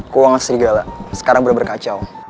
keuangan serigala sekarang bener bener kacau